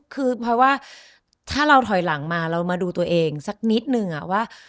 คือเพราะว่าถ้าเราถอยหลังมาเรามาดูตัวเองสักนิดนึงว่า